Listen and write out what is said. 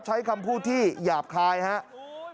ใช้คำพูดที่หยาบคายครับ